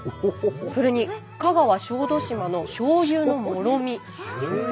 それに香川小豆島のしょうゆのもろみ。